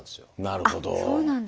なるほど。